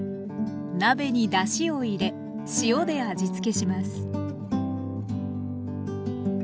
鍋にだしを入れ塩で味付けします